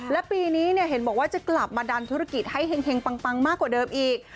และปีนี้เห็นบอกว่าจะกลับมาดันธุรกิจให้เห็งปังมากกว่าเดิมอีก